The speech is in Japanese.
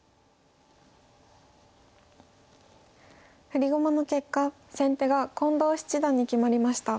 振り駒の結果先手が近藤七段に決まりました。